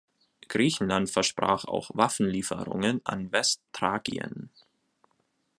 Griechenland versprach auch Waffenlieferungen an Westthrakien.